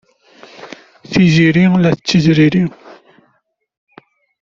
Tiziri la tettezriri.